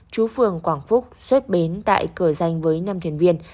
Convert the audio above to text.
chú phương quảng phúc xuếp bến tại cờ danh với năm thuyền viên